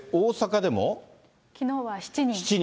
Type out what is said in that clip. きのうは７人。